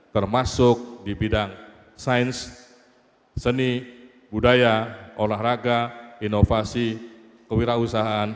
termasuk di bidang sains seni budaya olahraga inovasi kewirausahaan